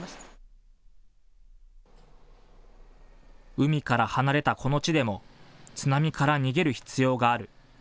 海から離れたこの地でも津波から逃げる必要がある。